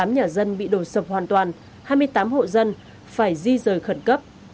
tám nhà dân bị đổ sập hoàn toàn hai mươi tám hộ dân phải di rời khẩn cấp